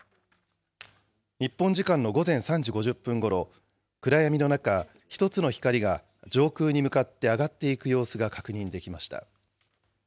日本時間の午前３時５０分ごろ、暗闇の中、１つの光が上空に向かって上がっていく様子が確認できました。